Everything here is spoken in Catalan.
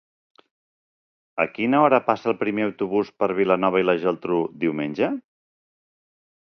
A quina hora passa el primer autobús per Vilanova i la Geltrú diumenge?